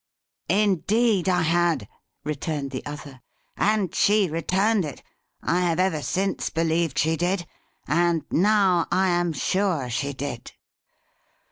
"Indeed I had," returned the other. "And she returned it. I have ever since believed she did; and now I am sure she did."